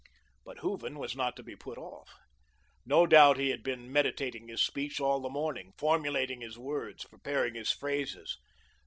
But Hooven was not to be put off. No doubt he had been meditating his speech all the morning, formulating his words, preparing his phrases.